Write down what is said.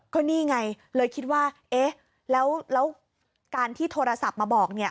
ก็นี่ไงเลยคิดว่าเอ๊ะแล้วการที่โทรศัพท์มาบอกเนี่ย